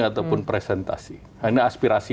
ataupun presentasi karena aspirasi